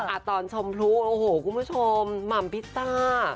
อ่ะตอนชมพลุโอ้โหคุณผู้ชมหม่ำพิซซ่า